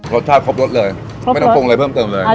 รสชาติครบรสเลยไม่ต้องปรุงอะไรเพิ่มเติมเลย